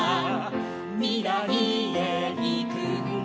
「みらいへいくんだ」